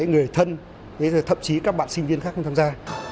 người thân thậm chí các bạn sinh viên khác không tham gia